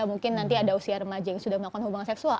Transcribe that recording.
mungkin nanti ada usia remaja yang sudah melakukan hubungan seksual